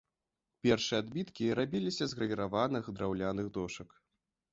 Першыя адбіткі рабіліся з гравіраваных драўляных дошак.